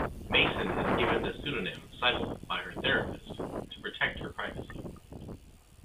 Mason is given the pseudonym "Sybil" by her therapist to protect her privacy.